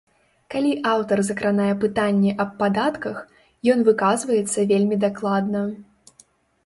Калі аўтар закранае пытанне аб падатках, ён выказваецца вельмі дакладна.